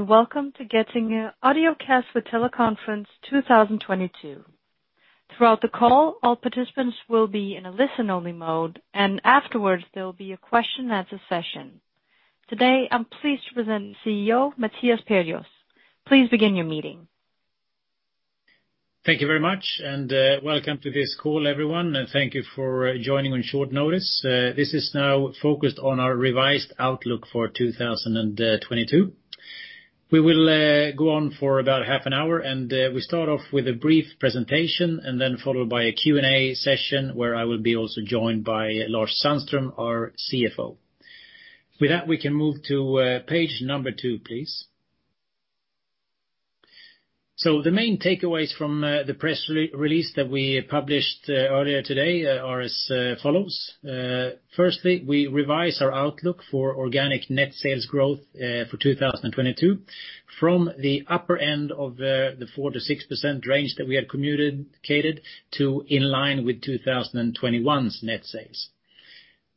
Welcome to Getinge Audiocast for Teleconference 2022. Throughout the call, all participants will be in a listen only mode, and afterwards there will be a question and answer session. Today, I'm pleased to present CEO Mattias Perjos. Please begin your meeting. Thank you very much, and welcome to this call, everyone. Thank you for joining on short notice. This is now focused on our revised outlook for 2022. We will go on for about half an hour, and we start off with a brief presentation and then followed by a Q&A session where I will be also joined by Lars Sandström, our CFO. With that, we can move to page two, please. The main takeaways from the press release that we published earlier today are as follows. Firstly, we revise our outlook for organic net sales growth for 2022 from the upper end of the 4%-6% range that we had communicated to in line with 2021's net sales.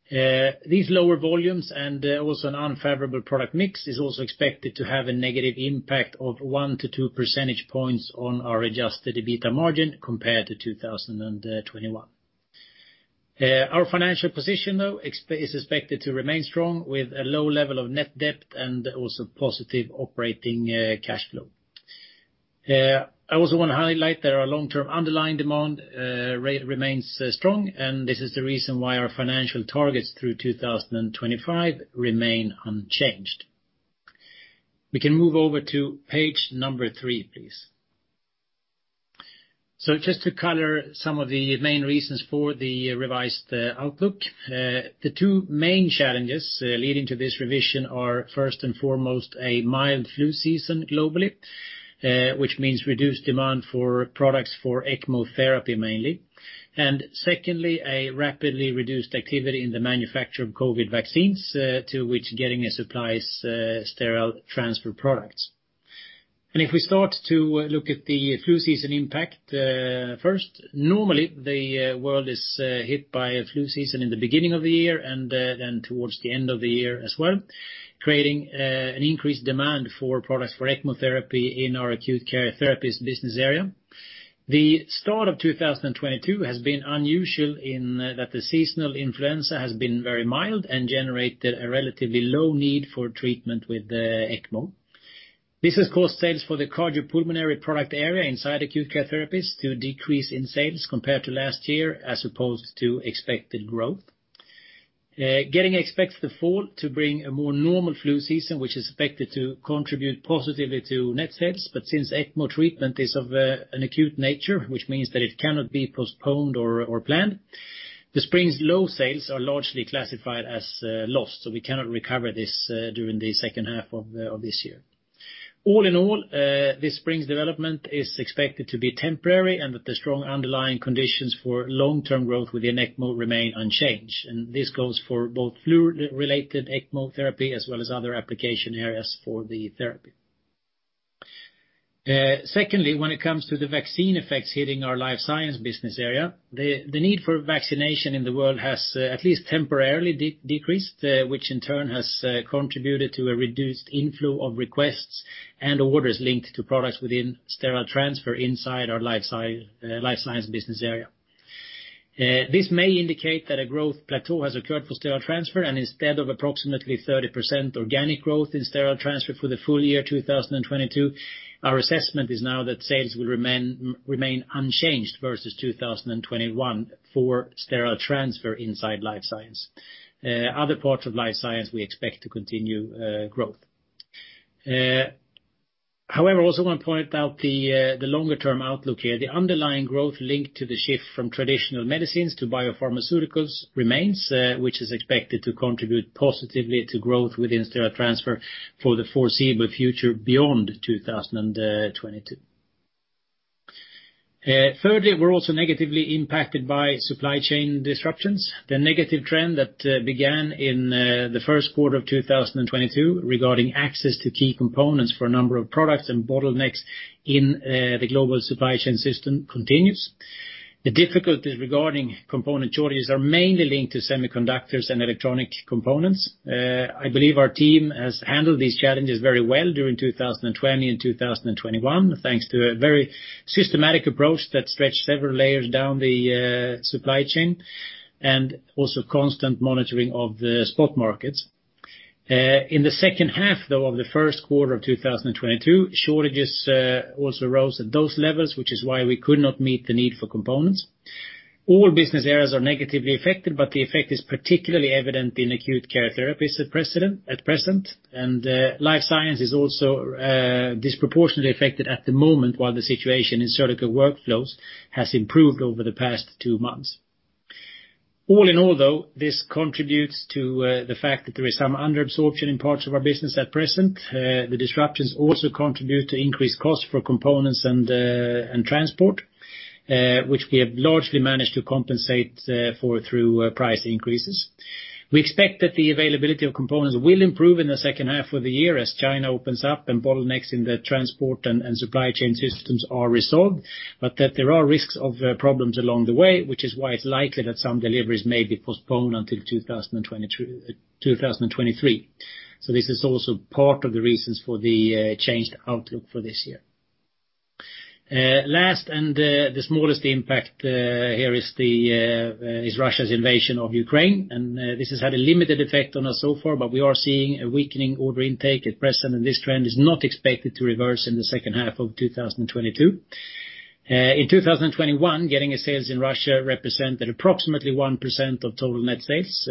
These lower volumes and also an unfavorable product mix is also expected to have a negative impact of 1-2 percentage points on our adjusted EBITDA margin compared to 2021. Our financial position, though, is expected to remain strong with a low level of net debt and also positive operating cash flow. I also want to highlight that our long-term underlying demand remains strong, and this is the reason why our financial targets through 2025 remain unchanged. We can move over to page three, please. Just to color some of the main reasons for the revised outlook. The two main challenges leading to this revision are first and foremost a mild flu season globally, which means reduced demand for products for ECMO therapy mainly, and secondly, a rapidly reduced activity in the manufacture of COVID vaccines, to which Getinge supplies sterile transfer products. If we start to look at the flu season impact first. Normally the world is hit by a flu season in the beginning of the year and then towards the end of the year as well, creating an increased demand for products for ECMO therapy in our Acute Care Therapies business area. The start of 2022 has been unusual in that the seasonal influenza has been very mild and generated a relatively low need for treatment with ECMO. This has caused sales for the Cardiopulmonary product area inside Acute Care Therapies to decrease in sales compared to last year as opposed to expected growth. Getinge expects the fall to bring a more normal flu season, which is expected to contribute positively to net sales. Since ECMO treatment is of an acute nature, which means that it cannot be postponed or planned, the spring's low sales are largely classified as lost, so we cannot recover this during the second half of this year. All in all, this spring's development is expected to be temporary and that the strong underlying conditions for long-term growth within ECMO remain unchanged. This goes for both flu-related ECMO therapy as well as other application areas for the therapy. Secondly, when it comes to the vaccine effects hitting our Life Science business area, the need for vaccination in the world has at least temporarily decreased, which in turn has contributed to a reduced inflow of requests and orders linked to products within Sterile Transfer inside our Life Science business area. This may indicate that a growth plateau has occurred for Sterile Transfer and instead of approximately 30% organic growth in Sterile Transfer for the full year 2022, our assessment is now that sales will remain unchanged versus 2021 for Sterile Transfer inside Life Science. Other parts of Life Science we expect to continue growth. However, I also want to point out the longer-term outlook here. The underlying growth linked to the shift from traditional medicines to biopharmaceuticals remains, which is expected to contribute positively to growth within sterile transfer for the foreseeable future beyond 2022. Thirdly, we're also negatively impacted by supply chain disruptions. The negative trend that began in the first quarter of 2022 regarding access to key components for a number of products and bottlenecks in the global supply chain system continues. The difficulties regarding component shortages are mainly linked to semiconductors and electronic components. I believe our team has handled these challenges very well during 2020 and 2021, thanks to a very systematic approach that stretched several layers down the supply chain and also constant monitoring of the spot markets. In the second half, though, of the first quarter of 2022, shortages also rose at those levels, which is why we could not meet the need for components. All business areas are negatively affected, but the effect is particularly evident in Acute Care Therapies at present. Life Science is also disproportionately affected at the moment while the situation in Surgical Workflows has improved over the past two months. All in all, though, this contributes to the fact that there is some under absorption in parts of our business at present. The disruptions also contribute to increased costs for components and transport, which we have largely managed to compensate for through price increases. We expect that the availability of components will improve in the second half of the year as China opens up and bottlenecks in the transport and supply chain systems are resolved, but that there are risks of problems along the way, which is why it's likely that some deliveries may be postponed until 2023. This is also part of the reasons for the changed outlook for this year. Last, and the smallest impact here is Russia's invasion of Ukraine, and this has had a limited effect on us so far, but we are seeing a weakening order intake at present, and this trend is not expected to reverse in the second half of 2022. In 2021, Getinge sales in Russia represented approximately 1% of total net sales.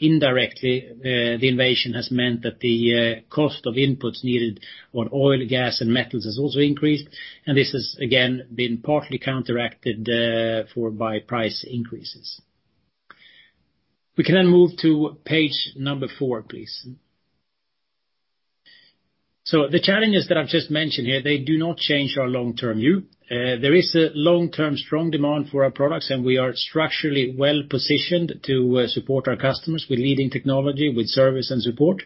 Indirectly, the invasion has meant that the cost of inputs needed for oil, gas, and metals has also increased, and this has again been partly counteracted for by price increases. We can then move to page four, please. The challenges that I've just mentioned here, they do not change our long-term view. There is a long-term strong demand for our products, and we are structurally well-positioned to support our customers with leading technology, with service and support.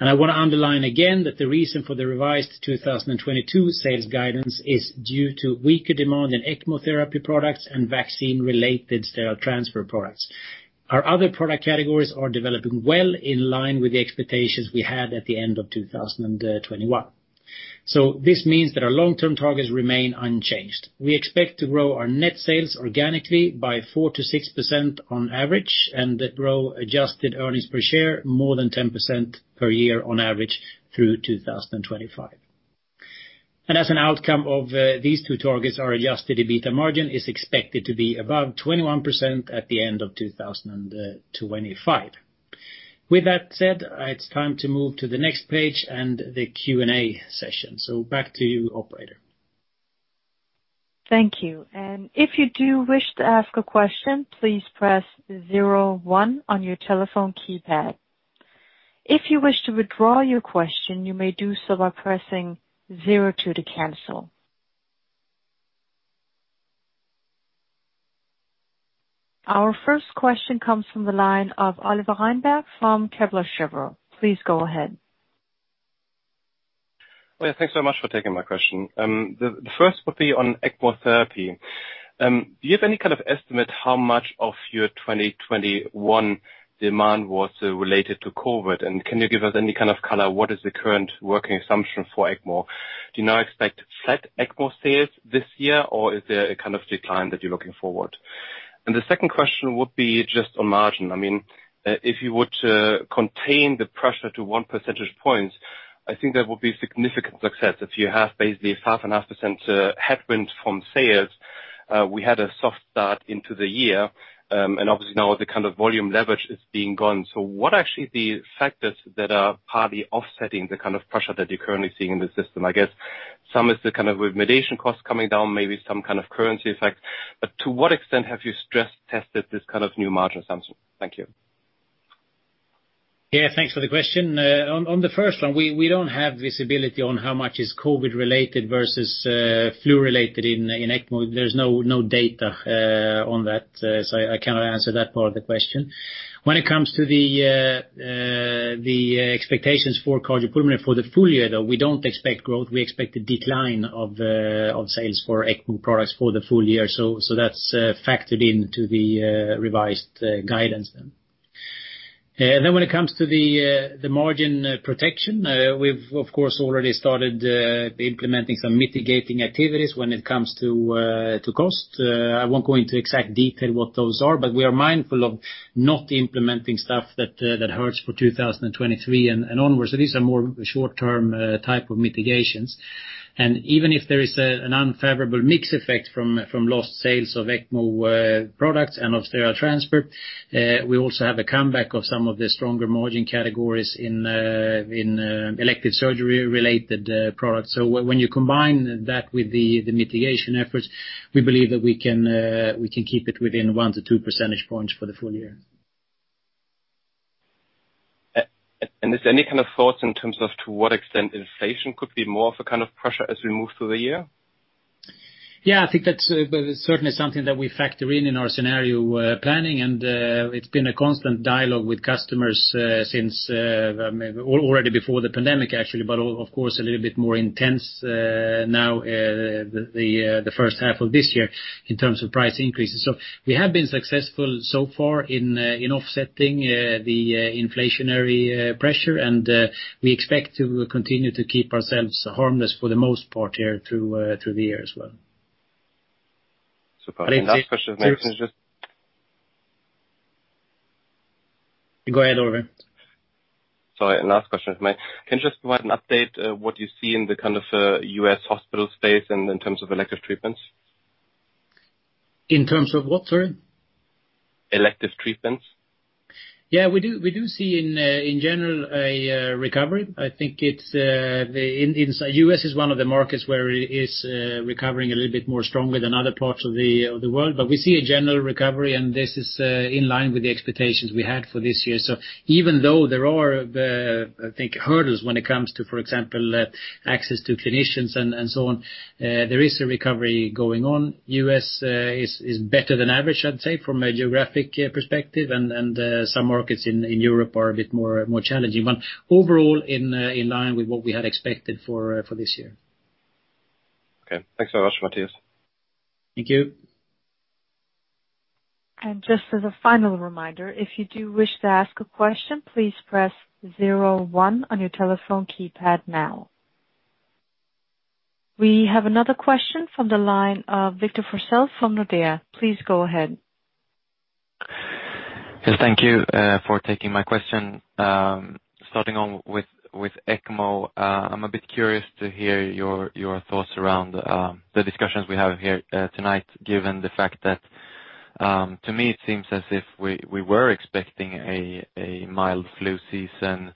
I wanna underline again that the reason for the revised 2022 sales guidance is due to weaker demand in ECMO therapy products and vaccine-related sterile transfer products. Our other product categories are developing well in line with the expectations we had at the end of 2021. This means that our long-term targets remain unchanged. We expect to grow our net sales organically by 4%-6% on average and grow adjusted earnings per share more than 10% per year on average through 2025. As an outcome of these two targets, our adjusted EBITDA margin is expected to be above 21% at the end of 2025. With that said, it's time to move to the next page and the Q&A session. Back to you, operator. Thank you. If you do wish to ask a question, please press zero one on your telephone keypad. If you wish to withdraw your question, you may do so by pressing zero two to cancel. Our first question comes from the line of Oliver Reinberg from Kepler Cheuvreux. Please go ahead. Well, yeah, thanks so much for taking my question. The first would be on ECMO therapy. Do you have any kind of estimate how much of your 2021 demand was related to COVID? Can you give us any kind of color what is the current working assumption for ECMO? Do you now expect flat ECMO sales this year, or is there a kind of decline that you're looking forward? The second question would be just on margin. I mean, if you were to contain the pressure to one percentage point, I think that would be significant success. If you have basically 5.5% headwind from sales, we had a soft start into the year, and obviously now the kind of volume leverage is being gone. What actually the factors that are partly offsetting the kind of pressure that you're currently seeing in the system? I guess some is the kind of remediation costs coming down, maybe some kind of currency effect. But to what extent have you stress tested this kind of new margin assumption? Thank you. Yeah, thanks for the question. On the first one, we don't have visibility on how much is COVID-related versus flu-related in ECMO. There's no data on that, so I cannot answer that part of the question. When it comes to the expectations for Cardiopulmonary for the full year, though, we don't expect growth. We expect a decline of sales for ECMO products for the full year. So that's factored into the revised guidance then. When it comes to the margin protection, we've of course already started implementing some mitigating activities when it comes to cost. I won't go into exact detail what those are, but we are mindful of not implementing stuff that that hurts for 2023 and onwards. These are more short-term type of mitigations. Even if there is an unfavorable mix effect from lost sales of ECMO products and of sterile transfer, we also have a comeback of some of the stronger margin categories in elective surgery related products. When you combine that with the mitigation efforts, we believe that we can keep it within 1-2 percentage points for the full year. Is there any kind of thoughts in terms of to what extent inflation could be more of a kind of pressure as we move through the year? Yeah, I think that's certainly something that we factor in in our scenario planning, and it's been a constant dialogue with customers since maybe already before the pandemic, actually, but of course a little bit more intense now, the first half of this year in terms of price increases. We have been successful so far in offsetting the inflationary pressure. We expect to continue to keep ourselves harmless for the most part here through the year as well. Super. Last question if I may, can you just- Go ahead, Oliver. Sorry, last question if I may. Can you just provide an update, what you see in the kind of, U.S. hospital space and in terms of elective treatments? In terms of what? Sorry. Elective treatments. Yeah, we do see in general a recovery. I think it's inside the U.S. The U.S. is one of the markets where it is recovering a little bit more strongly than other parts of the world. We see a general recovery, and this is in line with the expectations we had for this year. Even though there are, I think, hurdles when it comes to, for example, access to clinicians and so on, there is a recovery going on. The U.S. is better than average, I'd say, from a geographic perspective. Some markets in Europe are a bit more challenging, but overall in line with what we had expected for this year. Okay. Thanks so much, Mattias. Thank you. Just as a final reminder, if you do wish to ask a question, please press zero one on your telephone keypad now. We have another question from the line of Victor Forssell from Nordea. Please go ahead. Yes, thank you for taking my question. Starting on with ECMO. I'm a bit curious to hear your thoughts around the discussions we have here tonight, given the fact that to me, it seems as if we were expecting a mild flu season.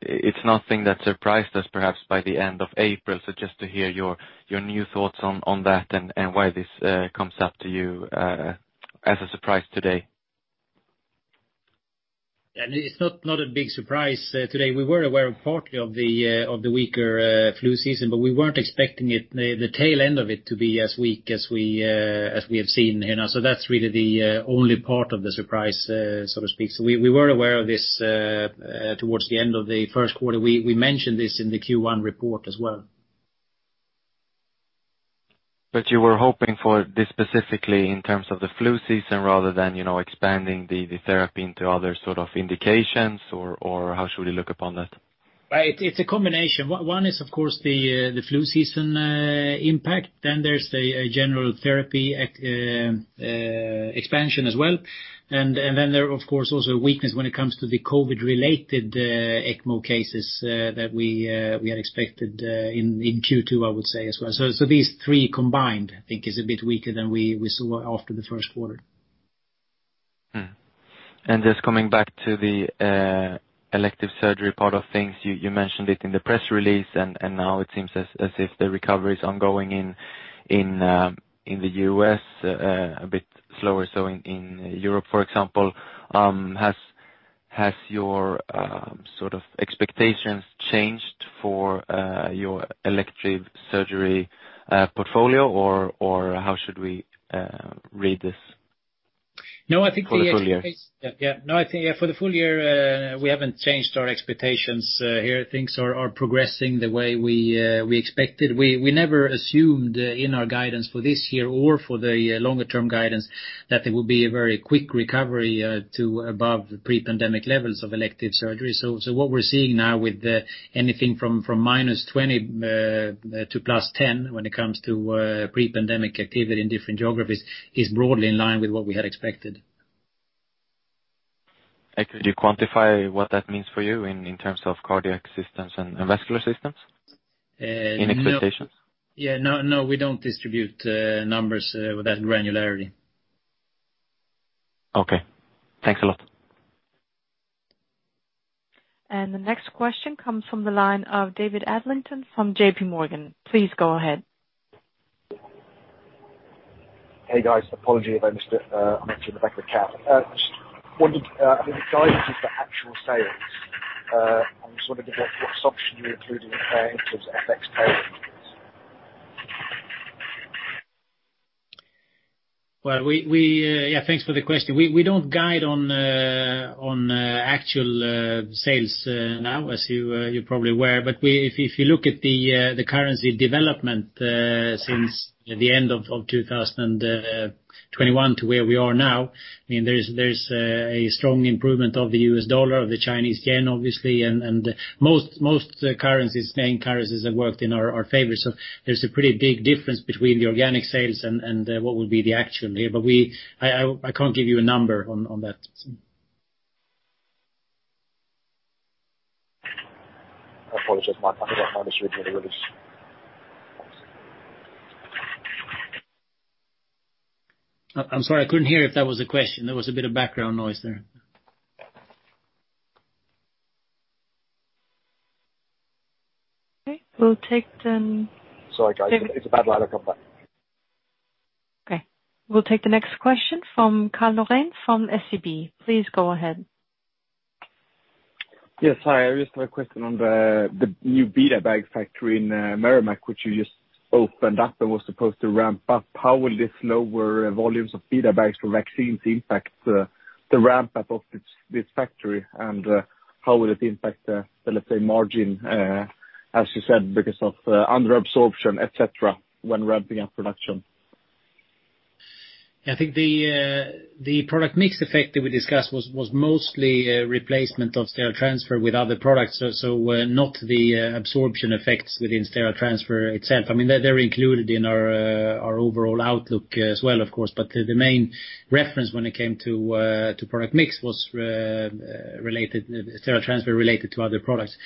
It's nothing that surprised us perhaps by the end of April. Just to hear your new thoughts on that and why this comes up to you as a surprise today. It's not a big surprise today. We were aware partly of the weaker flu season, but we weren't expecting the tail end of it to be as weak as we have seen here now. That's really the only part of the surprise so to speak. We were aware of this towards the end of the first quarter. We mentioned this in the Q1 report as well. You were hoping for this specifically in terms of the flu season rather than, you know, expanding the therapy into other sort of indications or how should we look upon that? It's a combination. One is, of course, the flu season impact. Then there's a general therapy expansion as well. Then there of course also a weakness when it comes to the COVID-related ECMO cases that we had expected in Q2, I would say as well. These three combined, I think, is a bit weaker than we saw after the first quarter. Mm-hmm. Just coming back to the elective surgery part of things. You mentioned it in the press release and now it seems as if the recovery is ongoing in the U.S. a bit slower. In Europe, for example, has your sort of expectations changed for your elective surgery portfolio or how should we read this? No, I think For the full year. Yeah. No, I think yeah, for the full year, we haven't changed our expectations here. Things are progressing the way we expected. We never assumed in our guidance for this year or for the longer term guidance that there would be a very quick recovery to above the pre-pandemic levels of elective surgery. What we're seeing now with anything from -20% to +10% when it comes to pre-pandemic activity in different geographies is broadly in line with what we had expected. Could you quantify what that means for you in terms of cardiac systems and vascular systems? No. In expectations. Yeah. No, no, we don't distribute numbers with that granularity. Okay. Thanks a lot. The next question comes from the line of David Adlington from JPMorgan. Please go ahead. Hey, guys. Apologies if I missed it. I'm actually in the back of a cab. Just wondered, I mean, the guidance is for actual sales. I'm just wondering what assumption you include in terms of FX tailwinds. Well, yeah, thanks for the question. We don't guide on actual sales now as you're probably aware. If you look at the currency development since the end of 2021 to where we are now, I mean, there is a strong improvement of the U.S. dollar, of the Chinese yuan, obviously, and most main currencies have worked in our favor. There's a pretty big difference between the organic sales and what would be the actual here. I can't give you a number on that. Apologies. My headset might have switched me to release. I'm sorry. I couldn't hear if that was a question. There was a bit of background noise there. Okay. We'll take the. Sorry, guys. It's a bad line. I'll come back. Okay. We'll take the next question from Karl Norén from SEB. Please go ahead. Yes. Hi, I just have a question on the new BetaBag factory in Merrimack, which you just opened up and was supposed to ramp up. How will this lower volumes of Beta bags for vaccines impact the ramp up of this factory? How will it impact, let's say margin, as you said, because of under absorption, et cetera, when ramping up production? I think the product mix effect that we discussed was mostly a replacement of Sterile Transfer with other products. Not the absorption effects within Sterile Transfer itself. I mean, they're included in our overall outlook as well of course. The main reference when it came to product mix was related to Sterile Transfer related to other products.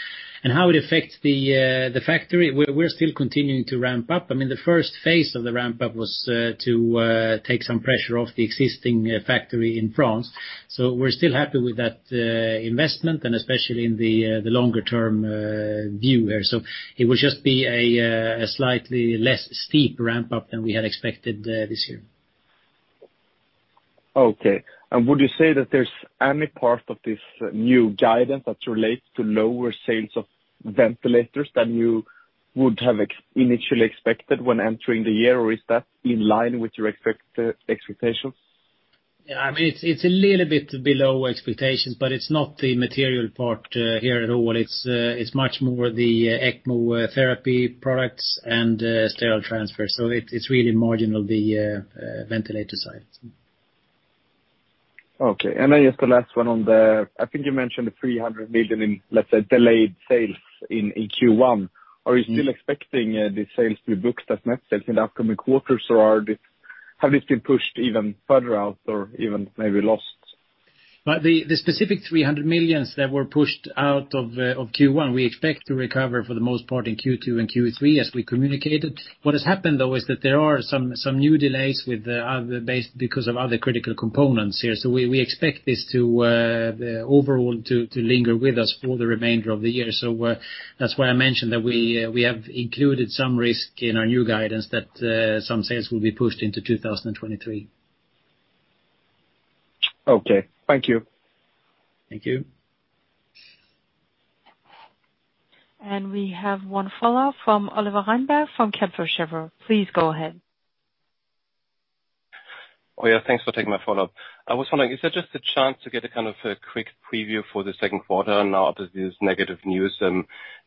How it affects the factory, we're still continuing to ramp up. I mean, the first phase of the ramp up was to take some pressure off the existing factory in France. We're still happy with that investment and especially in the longer term view here. It will just be a slightly less steep ramp up than we had expected this year. Okay. Would you say that there's any part of this new guidance that relates to lower sales of ventilators than you would have initially expected when entering the year? Or is that in line with your expectations? Yeah, I mean, it's a little bit below expectations, but it's not the material part here at all. It's much more the ECMO therapy products and Sterile Transfer. It's really marginal, the ventilator side. Okay. Just the last one on the I think you mentioned the 300 million in, let's say, delayed sales in Q1. Are you still expecting the sales to be booked as net sales in the upcoming quarters, or have they been pushed even further out or even maybe lost? The specific 300 million that were pushed out of Q1, we expect to recover for the most part in Q2 and Q3, as we communicated. What has happened, though, is that there are some new delays with the other base because of other critical components here. We expect this to overall linger with us for the remainder of the year. That's why I mentioned that we have included some risk in our new guidance that some sales will be pushed into 2023. Okay. Thank you. Thank you. We have one follow-up from Oliver Reinberg from Kepler Cheuvreux. Please go ahead. Oh, yeah. Thanks for taking my follow-up. I was wondering, is there just a chance to get a, kind of, a quick preview for the second quarter now after this negative news?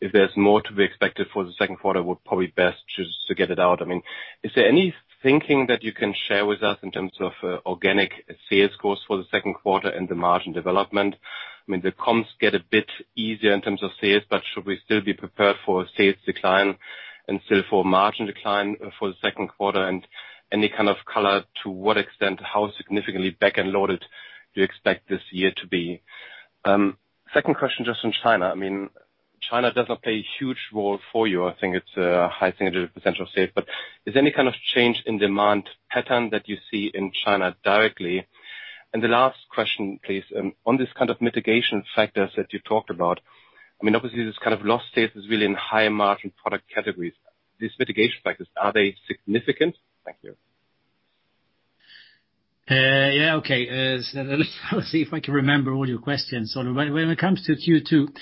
If there's more to be expected for the second quarter, we're probably best just to get it out. I mean, is there any thinking that you can share with us in terms of, organic sales growth for the second quarter and the margin development? I mean, the comps get a bit easier in terms of sales, but should we still be prepared for a sales decline and still for margin decline for the second quarter? Any kind of color to what extent, how significantly back-end loaded do you expect this year to be? Second question, just on China. I mean, China doesn't play a huge role for you. I think it's a high percentage of potential sales. Is there any kind of change in demand pattern that you see in China directly? The last question, please, on this kind of mitigation factors that you talked about, I mean, obviously, this kind of lost sales is really in higher-margin product categories. These mitigation factors, are they significant? Thank you. Yeah, okay. Let's see if I can remember all your questions. When it comes to Q2,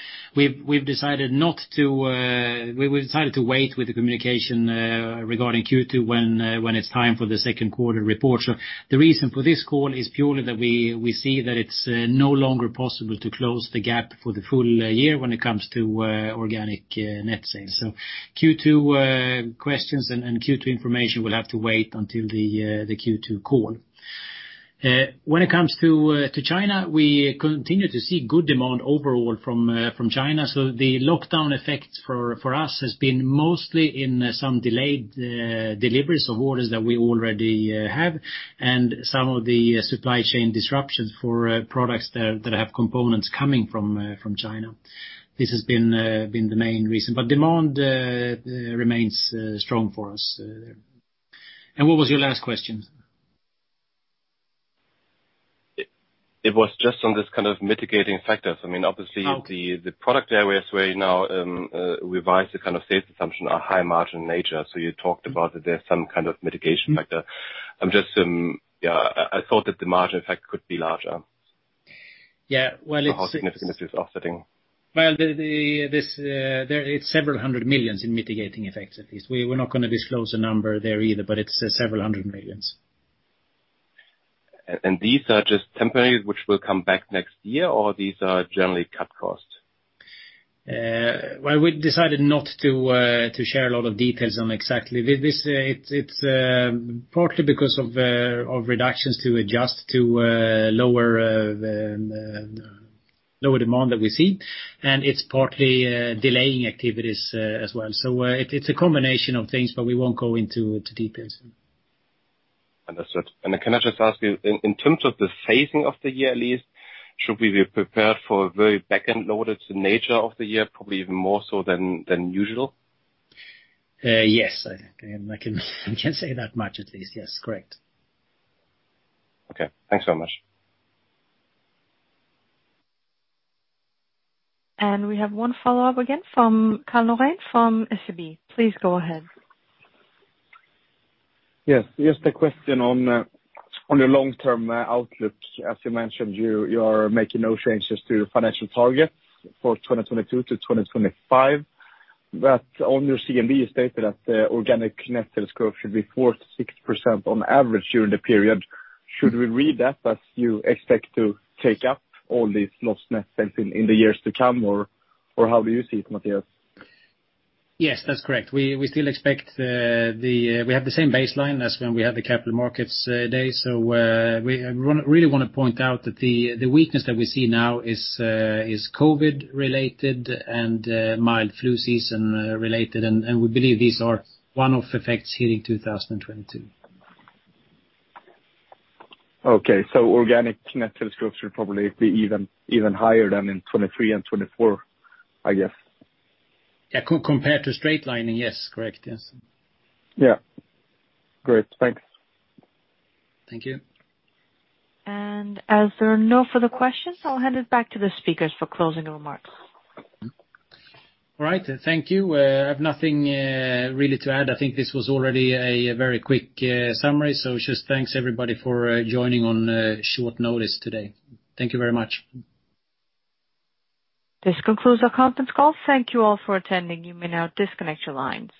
we've decided not to. We've decided to wait with the communication regarding Q2 when it's time for the second quarter report. The reason for this call is purely that we see that it's no longer possible to close the gap for the full year when it comes to organic net sales. Q2 questions and Q2 information will have to wait until the Q2 call. When it comes to China, we continue to see good demand overall from China. The lockdown effect for us has been mostly in some delayed deliveries of orders that we already have and some of the supply chain disruptions for products that have components coming from China. This has been the main reason. Demand remains strong for us. What was your last question? It was just on this kind of mitigating factors. I mean, obviously. Oh. The product areas where you now revised the kind of sales assumption are high margin in nature. You talked about that there's some kind of mitigation factor. I'm just. I thought that the margin effect could be larger. Yeah, well. How significant is this offsetting? Well, it's several hundred million SEK in mitigating effects at least. We're not gonna disclose a number there either, but it's several hundred million SEK. These are just temporary, which will come back next year, or these are generally cut costs? Well, we decided not to share a lot of details on exactly. This, it's partly because of reductions to adjust to lower demand that we see, and it's partly delaying activities as well. It's a combination of things, but we won't go into details. Understood. Can I just ask you, in terms of the phasing of the year at least, should we be prepared for a very back-end-loaded nature of the year, probably even more so than usual? Yes. I can say that much at least. Yes, correct. Okay. Thanks so much. We have one follow-up again from Karl Norén from SEB. Please go ahead. Yes. Just a question on your long-term outlook. As you mentioned, you are making no changes to your financial targets for 2022-2025. On your CMD data that organic net sales growth should be 4%-6% on average during the period. Should we read that as you expect to take up all these lost net sales in the years to come, or how do you see it, Mattias? Yes, that's correct. We still expect we have the same baseline as when we had the Capital Markets Day. We really wanna point out that the weakness that we see now is COVID-related and mild flu season related, and we believe these are one-off effects hitting 2022. Organic net sales growth should probably be even higher than in 2023 and 2024, I guess. Yeah. Compared to straight lining, yes. Correct. Yes. Yeah. Great. Thanks. Thank you. As there are no further questions, I'll hand it back to the speakers for closing remarks. All right. Thank you. I have nothing really to add. I think this was already a very quick summary, so just thanks everybody for joining on short notice today. Thank you very much. This concludes our conference call. Thank you all for attending. You may now disconnect your lines.